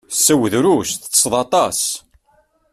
Sew drus, teṭṭseḍ aṭas.